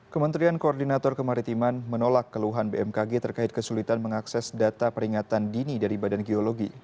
kementerian koordinator kemaritiman menolak keluhan bmkg terkait kesulitan mengakses data peringatan dini dari badan geologi